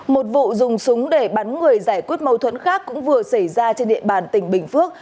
một vụ dùng súng để bắn người giải quyết mâu thuẫn khác cũng vừa xảy ra trên địa bàn tỉnh bình phước